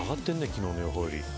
昨日の予報より。